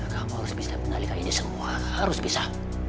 kamu harus bisa mengendalikan ini semua harus bisa